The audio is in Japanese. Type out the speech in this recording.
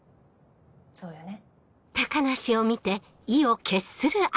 そうよね？